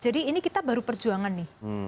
jadi ini kita baru perjuangan nih